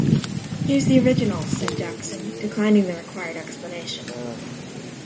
‘Here’s the original,’ said Jackson, declining the required explanation.